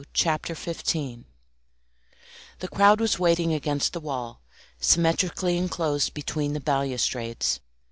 Chapter Fifteen The crowd was waiting against the wall, symmetrically enclosed between the balustrades.